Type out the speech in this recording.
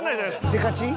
デカチン？